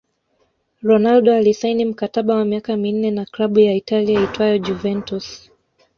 Ronaldo alisaini mkataba wa miaka minne na klabu ya Italia iitwayo Juventus